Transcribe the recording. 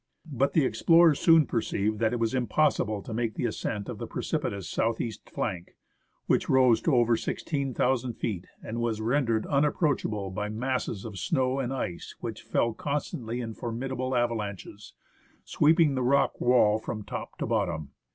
But the explorers soon perceived that it was impossible to make the ascent of the precipitous south east flank, which rose to over 16,000 feet, and was rendered unapproachable by masses of snow 52 THE HISTORY OF MOUNT ST. ELIAS and ice, which fell constantly in formidable avalanches, sweepingr the rock wall from top to bottom.